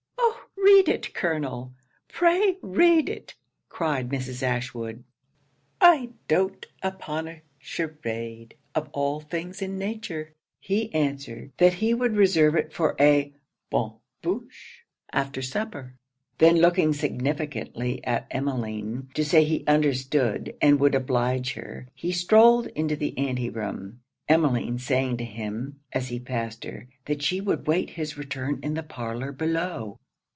'Oh! read it colonel; pray read it;' cried Mrs. Ashwood, 'I doat upon a charade of all things in nature.' He answered, that 'he would reserve it for a bon bouche after supper.' Then looking significantly at Emmeline, to say he understood and would oblige her, he strolled into the anti room; Emmeline saying to him, as he passed her, that she would wait his return in the parlour below.